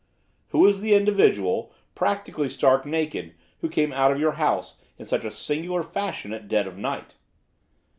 'Who was the individual, practically stark naked, who came out of your house, in such singular fashion, at dead of night?